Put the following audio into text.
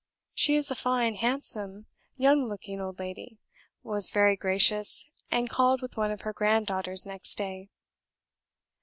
She is a fine, handsome, young looking old lady; was very gracious, and called with one of her grand daughters next day.